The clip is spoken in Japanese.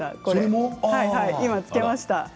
これ今つけました。